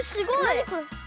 なにこれ！？